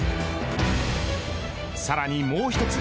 さらにもう一つ。